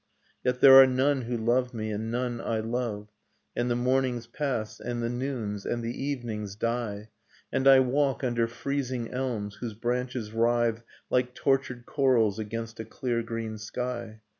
. Yet there are none who love me, and none I love ; And the mornings pass; and the noons; and the j evenings die ... 1 And I walk under freezing elms, whose branches writhe ■^ Like tortured corals against a clear green sky.